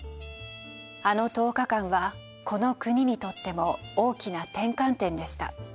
あの１０日間はこの国にとっても大きな転換点でした。